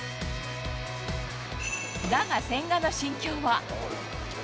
だが、千賀の心境は。